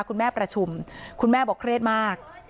คุณแม่ประชุมคุณแม่บอกเครียดมาก